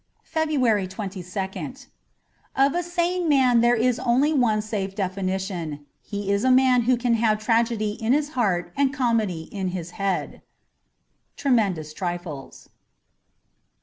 57 FEBRUARY 22nd OF a sane man there is only one safe definition: he is a man who can have tragedy in his heart and comedy in his j^ead. ^Tremendous trifles.''